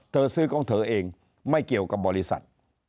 ซื้อของเธอเองไม่เกี่ยวกับบริษัท